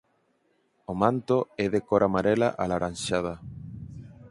O manto é de cor amarela alaranxada.